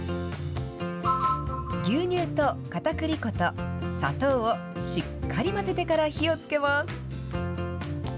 牛乳とかたくり粉と砂糖をしっかり混ぜてから火をつけます。